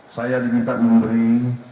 saya diminta memberi